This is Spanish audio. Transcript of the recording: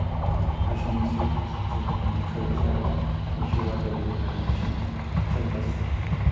Yoshimitsu se presenta ante Heihachi Mishima, líder de la Mishima Zaibatsu.